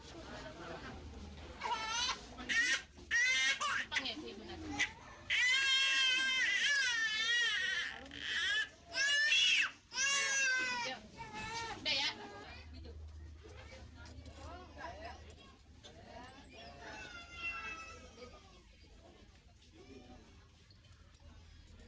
kamu telah menjalankan wajiban kamu sebagai seorang imam